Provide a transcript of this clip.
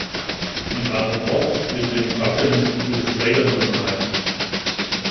Sie waren oft mit dem Wappen ihres Trägers bemalt.